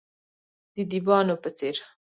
د دیبانو په څیر،